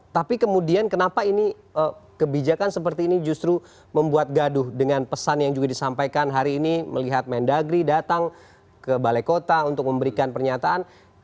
tapi kemudian kenapa ini kebijakan seperti ini justru membuat gaduh dengan pesan yang juga disampaikan hari ini melihat mendagri datang ke balai kota untuk memberikan pernyataan